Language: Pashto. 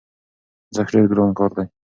زښت ډېر ګران کار دی،